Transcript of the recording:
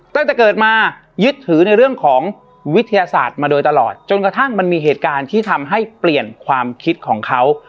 ตั้งแต่เกิดมายึดถือในเรื่องของวิทยาศาสตร์มาโดยตลอดจนกระทั่งมันมีเหตุการณ์ที่ทำให้เปลี่ยนความคิดของเขา